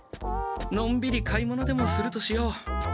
のんびり買い物でもするとしよう。